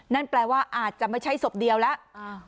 นั่นแปลว่าอาจจะไม่ใช่ศพเดียวแล้ว